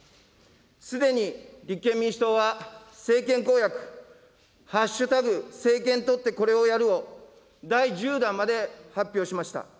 すでに立憲民主党は、政権公約、＃政権取ってこれをやるを第１０弾まで発表しました。